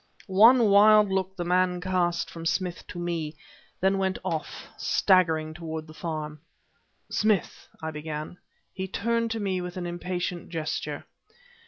One wild look the man cast from Smith to me, then went off, staggering, toward the farm. "Smith," I began... He turned to me with an impatient gesture.